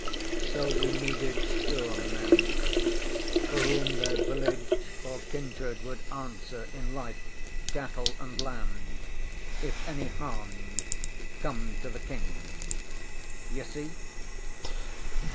So we needed sure men, for whom their village or kindred would answer in life, cattle, and land if any harm come to the King. Ye see?